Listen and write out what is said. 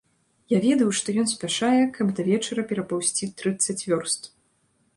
Я ведаў, што ён спяшае, каб да вечара перапаўзці трыццаць вёрст.